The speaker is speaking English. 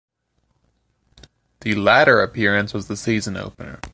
The latter appearance was the season opener.